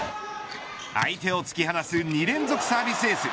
相手を突き放す２連続サービスエース。